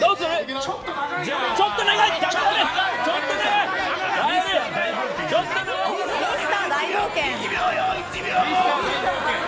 ちょっと長いな。